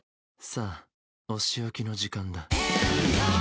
さあお仕置きの時間だ